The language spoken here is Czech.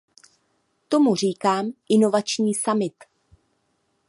Tomu říkám inovační summit.